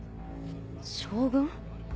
将軍？